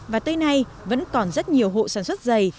và tới nay vẫn còn rất nhiều hộ sản xuất dày